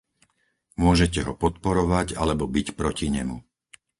Môžete ho podporovať alebo byť proti nemu.